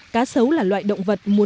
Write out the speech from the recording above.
cá sấu là loại động vật muốn nuôi